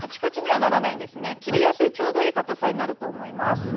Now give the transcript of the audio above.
切りやすいちょうどいいかたさになると思います。